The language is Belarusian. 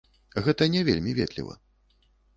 Гэта не вельмі ветліва.